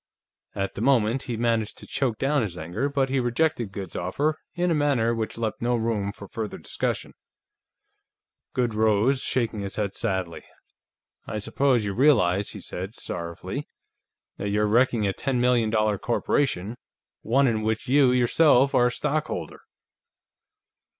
At the moment, he managed to choke down his anger, but he rejected Goode's offer in a manner which left no room for further discussion. Goode rose, shaking his head sadly. "I suppose you realize," he said, sorrowfully, "that you're wrecking a ten million dollar corporation. One in which you, yourself, are a stockholder."